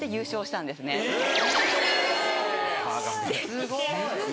・すごい！